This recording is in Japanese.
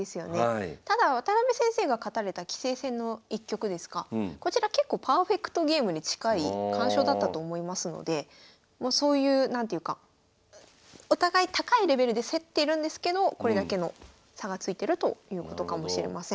ただ渡辺先生が勝たれた棋聖戦の１局ですがこちら結構パーフェクトゲームに近い完勝だったと思いますのでもうそういう何ていうかお互い高いレベルで競ってるんですけどこれだけの差がついてるということかもしれません。